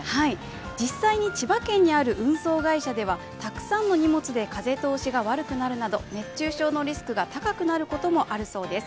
実際に千葉県にある運送会社ではたくさんの荷物で風通しが悪くなるなど熱中症のリスクが高くなることもあるそうです。